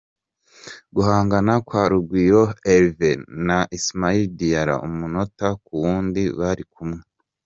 Guhangana kwa Rugwiro Herve na Ismaila Diarra, umunota ku wundi bari kumwe.